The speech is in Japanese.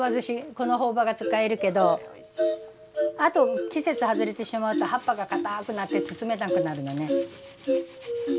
この朴葉が使えるけどあと季節外れてしまうと葉っぱがかたくなって包めなくなるのね。